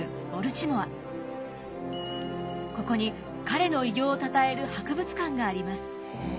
ここに彼の偉業をたたえる博物館があります。